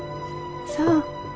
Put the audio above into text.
そう。